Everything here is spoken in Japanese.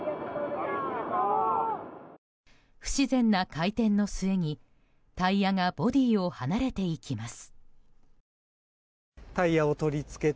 不自然な回転の末にタイヤがボディーを離れていきます。